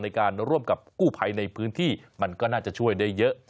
ในการร่วมกับกู้ภัยในพื้นที่มันก็น่าจะช่วยได้เยอะ